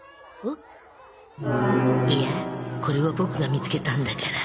いやこれはボクが見つけたんだから